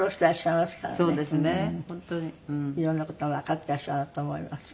色んな事わかっていらっしゃるんだと思います。